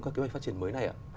các cái bài phát triển mới này ạ